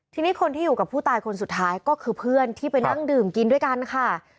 ทีนี้คนที่อยู่กับผู้ตายคนสุดท้ายก็คือเพื่อนที่ไปนั่งดื่มกินด้วยกันค่ะ